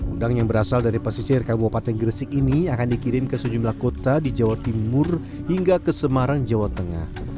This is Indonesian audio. udang yang berasal dari pesisir kabupaten gresik ini akan dikirim ke sejumlah kota di jawa timur hingga ke semarang jawa tengah